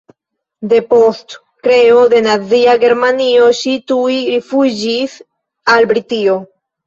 Depost kreo de nazia Germanio ŝi tuj rifuĝis al Britio.